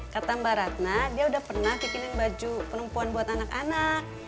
kata mba ratna dia udah pernah bikinin baju penumpuan buat anak anak